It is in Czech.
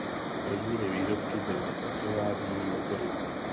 Prvními výrobky byly stacionární motory.